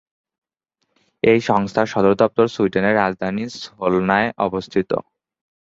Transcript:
এই সংস্থার সদর দপ্তর সুইডেনের রাজধানী সোলনায় অবস্থিত।